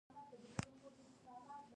باران د افغانستان د ښکلي طبیعت یوه برخه ده.